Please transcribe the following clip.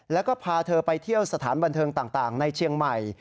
แล้วก็พาเธอไปเที่ยวสถานบันเทิงต่างในเชียงใหม่